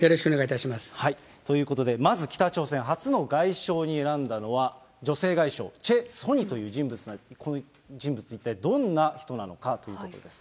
ということで、まず北朝鮮、初の外相に選んだのは、女性外相、チェ・ソニという人物で、この人物一体どんな人なのかということです。